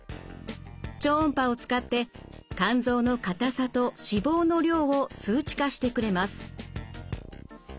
超音波を使って肝臓の硬さと脂肪の量を数値化してくれます。